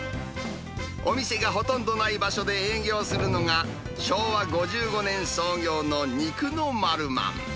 お店がほとんどない場所で営業するのが、昭和５５年創業の肉のマルマン。